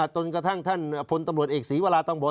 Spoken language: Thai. จนกระทั่งท่านพลตำรวจเอกศรีวราตังบอก